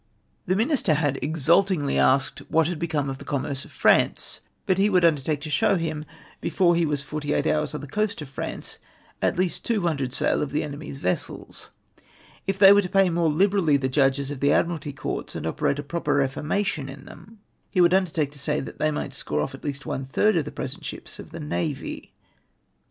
The Minister had exultingly asked, what had become of the commerce of France ? But he would undertake to show him, before he was 48 hours on the coast of France, at least 200 sail of the enemy's vessels. If they were to pay more liberally the Judges of the Admiralty Courts, and operate a proper reformation in them, he would undertake to say that they might score off at least one third of the present ships of the navy.